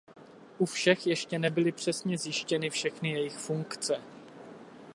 U všech ještě nebyly přesně zjištěny všechny jejich funkce.